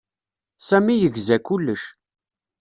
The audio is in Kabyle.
Sami yegza kullec.